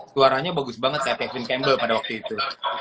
suaranya bagus banget kayak kevin campbell pada waktu itu